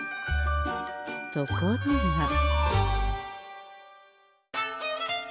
ところが。